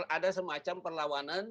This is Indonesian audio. ada semacam perlawanan